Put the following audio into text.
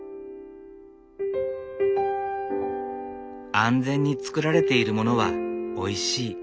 安全に作られているものはおいしい。